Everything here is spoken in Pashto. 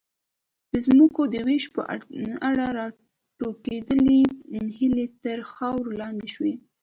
د ځمکو د وېش په اړه راټوکېدلې هیلې تر خاورې لاندې شوې.